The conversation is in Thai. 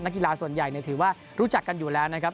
กีฬาส่วนใหญ่ถือว่ารู้จักกันอยู่แล้วนะครับ